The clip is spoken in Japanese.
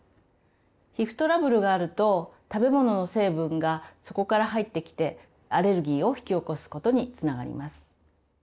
皮膚トラブルがあると食べ物の成分がそこから入ってきてアレルギーを引き起こすことにつながります。